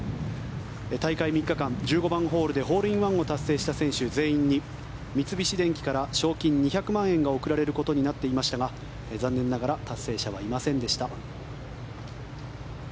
大会３日間、１５番ホールでホールインワンを達成した選手全員に三菱電機から賞金２００万円が贈られることになっていましたが残念ながら達成者はいませんでした。